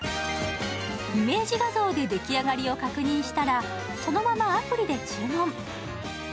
イメージ画像で出来上がりを確認したら、そのままアプリで注文。